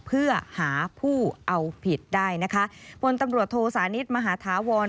เพื่อหาผู้เอาผิดได้บนตำรวจโทษานิษฐ์มหาฐาวร